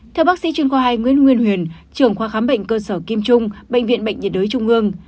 theo bác sĩ chuyên khoa hai nguyễn nguyên huyền trưởng khoa khám bệnh cơ sở kim trung bệnh viện bệnh nhiệt đới trung ương